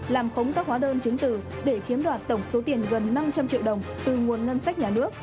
làm khống các hóa đơn chứng tử để chiếm đoạt tổng số tiền gần năm trăm linh triệu đồng từ nguồn ngân sách nhà nước